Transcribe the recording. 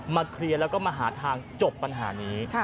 เคลียร์แล้วก็มาหาทางจบปัญหานี้